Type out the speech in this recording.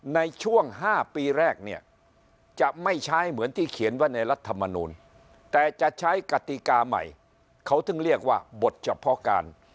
ในช่วง๕ปีแรกเนี่ยจะไม่ใช้เหมือนที่เขียนไว้ในรัฐมนูลแต่จะใช้กติกาใหม่เขาถึงเรียกว่าบทเฉพาะการ